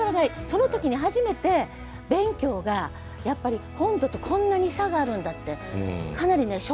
その時に初めて勉強がやっぱり本土とこんなに差があるんだってかなりショックだったんですよね。